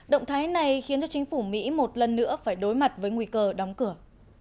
động thái này khiến cho chính phủ mỹ một lần nữa phải đối mặt với nguy cơ đóng cửa